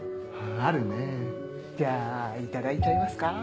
あるねじゃあいただいちゃいますか。